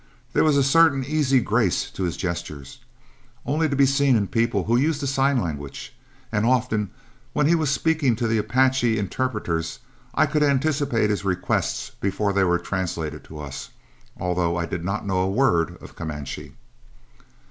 There was a certain easy grace to his gestures, only to be seen in people who use the sign language, and often when he was speaking to the Apache interpreters, I could anticipate his requests before they were translated to us, although I did not know a word of Comanche.